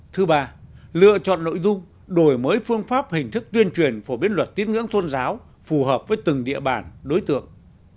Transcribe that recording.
thứ ba lựa chọn nội dung đổi mới phương pháp hình thức tuyên truyền phổ biến luật tiếp ngưỡng tôn giáo phù hợp với từng địa bàn đối tượng